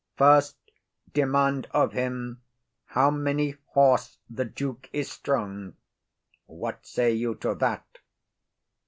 'First demand of him how many horse the duke is strong.' What say you to that?